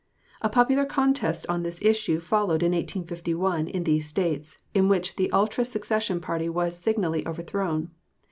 A popular contest on this issue followed in 1851 in these States, in which the ultra secession party was signally overthrown.